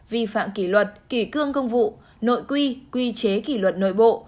vi phạm kỷ luật kỳ cương công vụ nội quy quy chế kỷ luật nội bộ